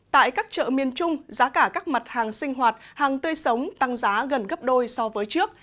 tại các chợ miền trung giá cả các mặt hàng sinh hoạt hàng tươi sống tăng giá gần gấp đôi so với trước